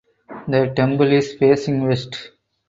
The temple is facing west.